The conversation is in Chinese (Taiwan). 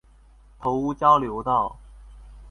頭屋交流道